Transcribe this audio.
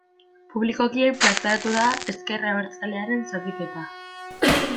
Publikoki plazaratu da ezker abertzalearen zatiketa.